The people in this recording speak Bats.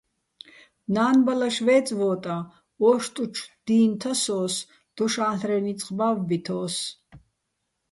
ნა́ნბალაშ ვე́წე̆ ვო́ტაჼ, ო́შტუჩო̆ დი́ნ თასო́ს, დოშ ა́ლ'რეჼ ნიწყ ბა́ვბითოს.